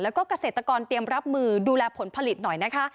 แล้วก็เกษตรกรเตรียมรับมือดูแลผลผลิตหน่อยนะคะ